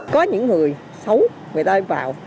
có những người xấu người ta vào